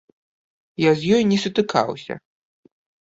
Я з ёй не сутыкаўся.